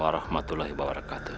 wa rahmatullahi wa barakatuh